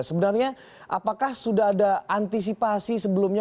sebenarnya apakah sudah ada antisipasi sebelumnya